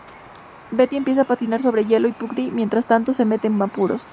Betty empieza a patinar sobre hielo y Pudgy, mientras tanto, se mete en apuros.